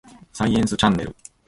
サイエンスチャンネル